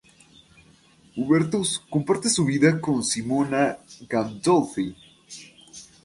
Hubertus comparte su vida con Simona Gandolfi.